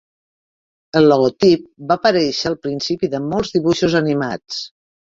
El logotip va aparèixer al principi de molts dibuixos animats.